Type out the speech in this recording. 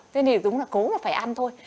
thế thì đúng là cố mà phải ăn thôi